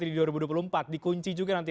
di dua ribu dua puluh empat dikunci juga nanti